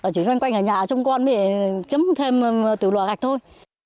chỉ quanh nhà trong con để cấm thêm từ lò gạch thôi